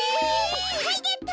はいゲット！